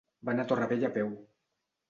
Va anar a Torrevella a peu.